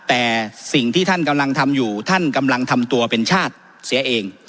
แต่สิ่งที่ท่านกำลังทำอยู่ท่านกำลังทำตัวเป็นชาติเสียเอง